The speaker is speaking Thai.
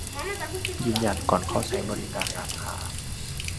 ยืนยันก่อนเข้าใช้บริการร้านค้า